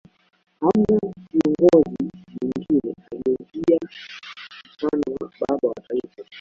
Hamna kiongozi mwengine aliyeiga mfano wa Baba wa Taifa